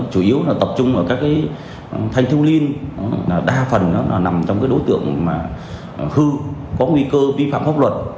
thương niên đa phần nằm trong đối tượng hư có nguy cơ vi phạm pháp luật